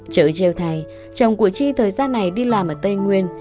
trời trêu thay chồng của chi thời gian này đi làm ở tây nguyên